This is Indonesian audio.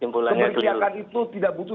pemerintah itu tidak butuh